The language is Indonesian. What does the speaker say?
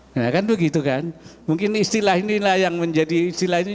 nah kan begitu kan mungkin istilah inilah yang menjadi istilah ini